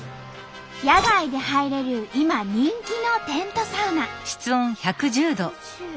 野外で入れる今人気のテントサウナ。